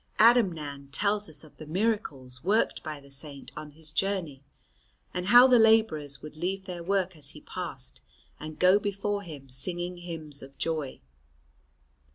Adamnan tells us of the miracles worked by the Saint on his journey, and how the labourers would leave their work as he passed and go before him singing hymns of joy.